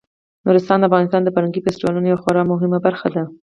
نورستان د افغانستان د فرهنګي فستیوالونو یوه خورا مهمه برخه ده.